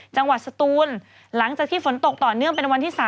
สตูนหลังจากที่ฝนตกต่อเนื่องเป็นวันที่๓